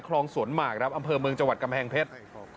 คลองสวนหมากครับอำเภอเมืองจังหวัดกำแพงเพชร